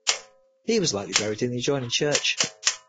He was likely buried in the adjoining church.